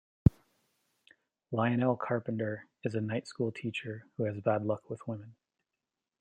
Lionel Carpenter is a night-school teacher who has bad luck with women.